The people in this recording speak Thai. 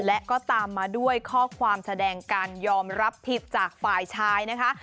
และก็ตามมาด้วยข้อความแสดงการยอมรับผิดจากฝ่ายชายนะคะ